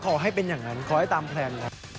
ก็ขอให้เป็นอย่างนั้นขอให้ตามแทน